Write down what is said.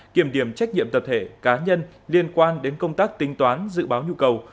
kiểm điểm trách nhiệm tập thể cá nhân liên quan đến công tác tính toán dự báo nhu cầu